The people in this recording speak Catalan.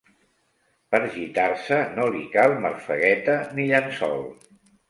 Per gitar-se no li cal marfegueta ni llençol.